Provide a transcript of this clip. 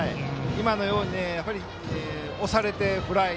今のように、押されてフライ。